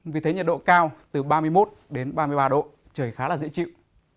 vì thế nhiệt độ cao từ ba mươi một đến ba mươi ba độ trời khá là dễ chịu